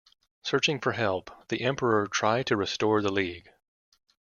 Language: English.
Searching for help, the Emperor tried to restore the League.